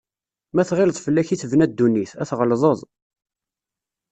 Ma tɣileḍ fell-ak i tebna dunnit, a tɣelḍeḍ.